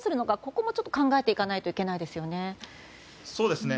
ここも考えていかないといけないですよね。